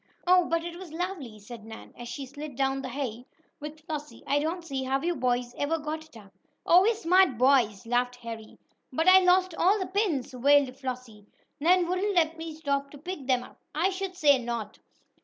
"Oh, but it was lovely!" said Nan, as she slid down the hay with Flossie. "I don't see how you boys ever got it up." "Oh, we're smart boys!" laughed Harry. "But I lost all the pins!" wailed Flossie. "Nan wouldn't let me stop to pick them up!" "I should say not!